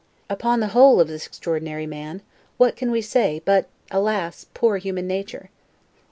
Upon the whole, of this extraordinary man, what can we say, but, alas, poor human nature!